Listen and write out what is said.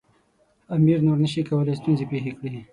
امیر نور نه شي کولای ستونزې پېښې کړي.